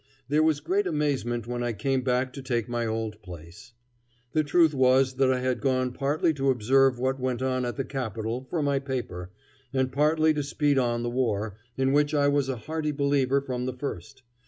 There was great amazement when I came back to take my old place. The truth was that I had gone partly to observe what went on at the capital for my paper, and partly to speed on the war, in which I was a hearty believer from the first.